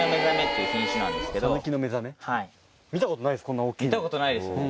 見たことないですよね。